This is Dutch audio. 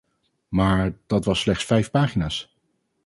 Maar dat was slechts vijf pagina's.